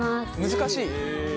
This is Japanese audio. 難しい？